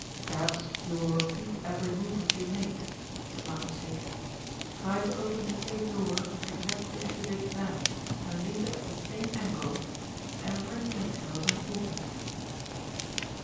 "Perhaps you will repeat every movement you made," said Malcolm Sage. "Try to open the safe door exactly as you did then, and leave it at the same angle. Every detail is important."